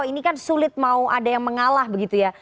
ini kan sulit mau ada yang mengalah begitu ya